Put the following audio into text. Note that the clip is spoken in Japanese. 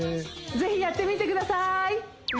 ぜひやってみてくださーい！